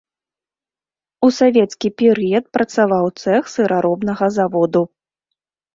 У савецкі перыяд працаваў цэх сыраробнага заводу.